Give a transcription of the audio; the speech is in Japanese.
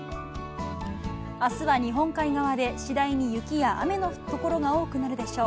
あすは日本海側で次第に雪や雨の所が多くなるでしょう。